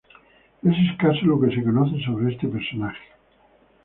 Es escaso lo que se conoce sobre este personaje.